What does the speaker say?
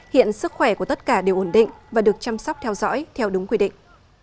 hiện sức khỏe của tất cả đều ổn định và được chăm sóc theo dõi theo đúng quy định